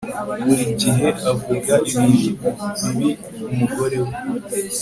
Buri gihe avuga ibintu bibi ku mugore we